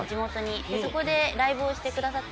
そこでライブをしてくださったんですよ。